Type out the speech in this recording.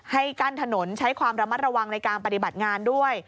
ให้กั้นถนนใช้ความระมัดระวังในการปฏิบัติงานด้วย